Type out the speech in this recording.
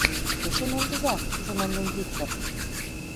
Тӧчен ончыза, Семон ден Виктыр!